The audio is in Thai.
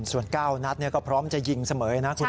ส่วน๙นัทเนี่ยก็พร้อมจะยิงเสมอนะคุณนัท